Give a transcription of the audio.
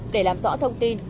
để làm rõ thông tin